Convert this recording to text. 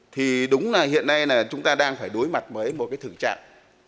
thì đúng là hiện nay chúng ta đang phải đối mặt với một cái thử trạng